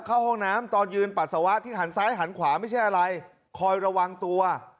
เข้าห้องน้ำตอนยืนปัสสาวะที่หันซ้ายหันขวาไม่ใช่อะไรคอยระวังตัว